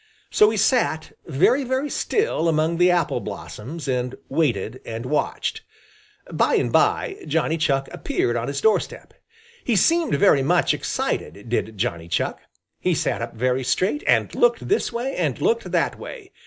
So he sat very, very still among the apple blossoms and waited and watched. By and by Johnny Chuck appeared on his doorstep. He seemed very much excited, did Johnny Chuck. He sat up very straight and looked this way and looked that way.